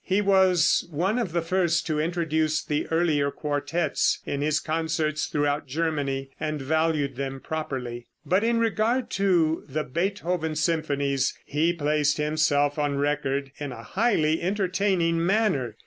He was one of the first to introduce the earlier quartettes, in his concerts throughout Germany, and valued them properly. But in regard to the Beethoven symphonies he placed himself on record in a highly entertaining manner.